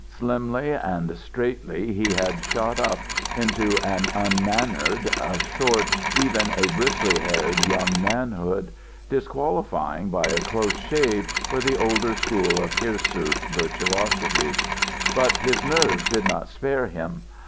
Slimly and straightly he had shot up into an unmannered, a short, even a bristly haired young manhood, disqualifying by a close shave for the older school of hirsute virtuosity. But his nerves did not spare him.